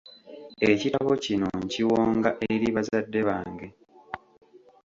Ekitabo kino nkiwonga eri bazadde bange,